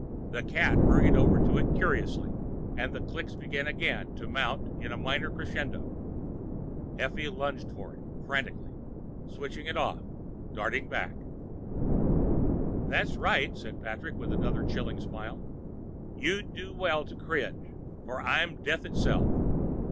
The cat hurried over to it curiously and the clicks began again to mount in a minor crescendo. Effie lunged for it frantically, switched it off, darted back. "That's right," Patrick said with another chilling smile. "You do well to cringe, for I'm death itself.